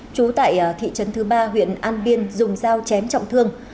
trú tại thị trấn thứ ba huyện an biên dùng dao chém trọng thương